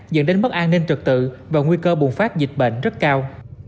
dẫn đến mất an ninh trật tự và nguy cơ bùng phát dịch bệnh rất cao